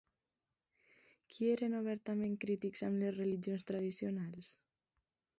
Qui eren obertament crítics amb les religions tradicionals?